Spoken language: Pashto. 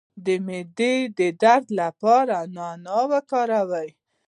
د معدې درد لپاره نعناع وکاروئ